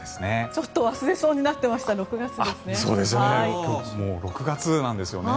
ちょっと忘れそうになっていました６月ですね。